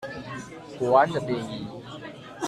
國安的便衣